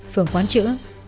phường quán chữ